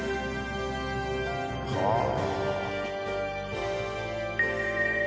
はあ。